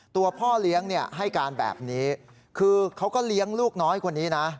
ตัวพ่อเลี้ยงให้การแบบนี้คือเขาก็เลี้ยงลูกน้อยคนนี้นะ